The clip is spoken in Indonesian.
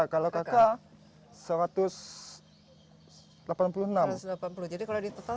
kalau kakak satu ratus delapan puluh enam